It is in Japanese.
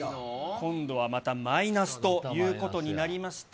今度はまたマイナスということになりました。